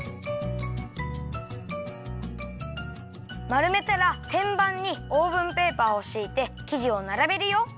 まるめたらてんばんにオーブンペーパーをしいてきじをならべるよ。